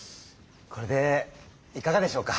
これでいかがでしょうか？